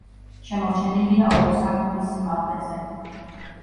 შემორჩენილია ორი სართულის სიმაღლეზე.